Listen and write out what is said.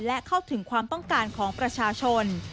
และเข้าถึงความต้องการของประชาชน